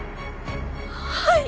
はい！